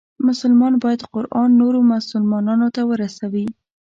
مسلمان باید قرآن نورو مسلمانانو ته ورسوي.